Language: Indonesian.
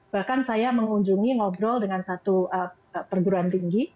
bahkan saya mengunjungi ngobrol dengan satu perguruan tinggi